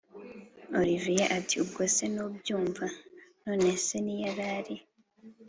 olivier ati”ubwo se ntubyumva nonece ntiyarari